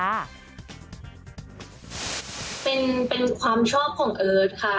เป็นความชอบของเอิร์ทค่ะ